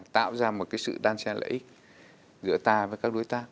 tạo ra một sự đan xe lợi ích giữa ta với các đối tác